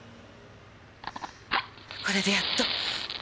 これでやっと。